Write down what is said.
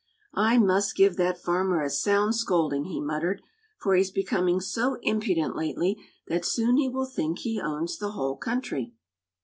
"I must give that farmer a sound scolding," he muttered, "for he's becoming so impudent lately that soon he will think he owns the whole country."